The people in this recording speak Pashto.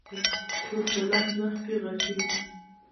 کور په لنډ وخت کې غټېږي.